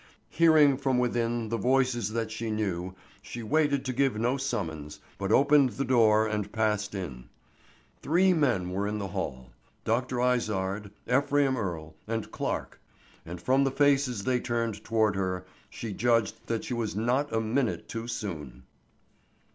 Hearing from within the voices that she knew, she waited to give no summons, but opened the door and passed in. Three men were in the hall—Dr. Izard, Ephraim Earle, and Clarke—and from the faces they turned toward her she judged that she was not a minute too soon.